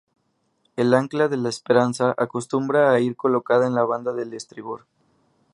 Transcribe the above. El ancla de la esperanza acostumbra a ir colocada en la banda de estribor.